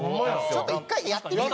ちょっと１回やってみて。